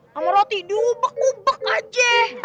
sama roti diubek ubek aja